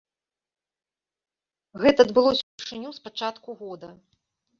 Гэта адбылося ўпершыню з пачатку года.